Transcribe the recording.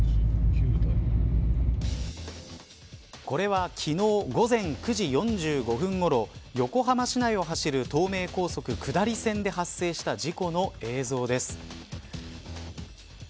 これは、昨日午前９時４５分ごろ横浜市内を走る東名高速下り線で発生した事故の映像です。